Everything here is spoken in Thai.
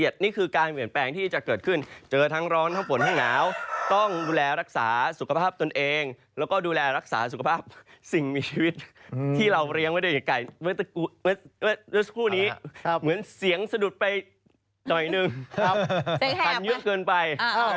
ดูแลรักษาสุขภาพตนเองแล้วก็ดูแลรักษาสุขภาพสิ่งมีชีวิตที่เราเลี้ยงไว้ด้วยกลายด้วยคู่นี้เหมือนเสียงสะดุดไปหน่อยนึงคันเยอะเกินไป